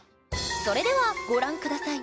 それではご覧下さい。